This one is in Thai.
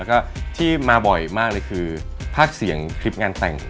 แล้วก็ที่มาบ่อยมากเลยคือภาคเสียงคลิปงานแต่ง